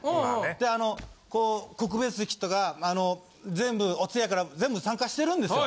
であの告別式とか全部お通夜から全部参加してるんですよ。